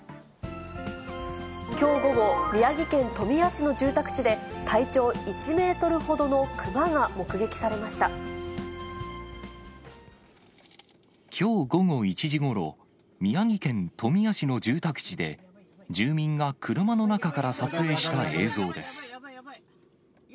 きょう午後、宮城県富谷市の住宅地で、体長１メートルほどの熊が目撃されましきょう午後１時ごろ、宮城県富谷市の住宅地で、住民が車の中から撮影した映像です。